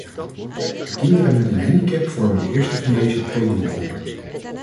Kinderen met een handicap vormen de eerste van deze twee doelgroepen.